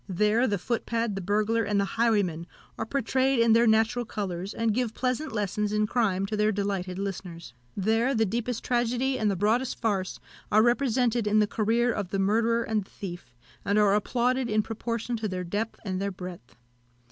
There the footpad, the burglar, and the highwayman are portrayed in their natural colours, and give pleasant lessons in crime to their delighted listeners. There the deepest tragedy and the broadest farce are represented in the career of the murderer and the thief, and are applauded in proportion to their depth and their breadth.